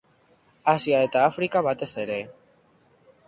Asia eta Afrika batez ere.